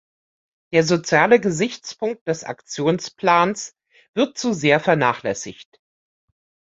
Der soziale Gesichtspunkt des Aktionsplans wird zu sehr vernachlässigt.